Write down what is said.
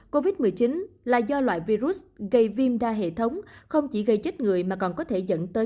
covid một mươi chín là do loại virus gây viêm ra hệ thống không chỉ gây chết người mà còn có thể dẫn tới